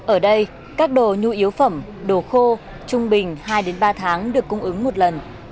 ở đây các đồ nhu yếu phẩm đồ khô trung bình hai ba tháng được cung ứng một lần